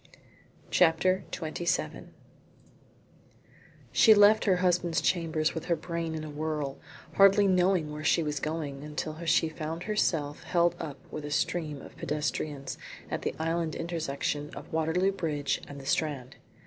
CHAPTER XXVII She left her husband's chambers with her brain in a whirl, hardly knowing where she was going until she found herself held up with a stream of pedestrians at the island intersection of Waterloo Bridge and the Strand.